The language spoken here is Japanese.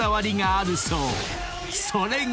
［それが］